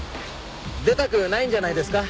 出たくないんじゃないですか？